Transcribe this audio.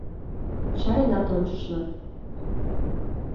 Чаренат ончышна.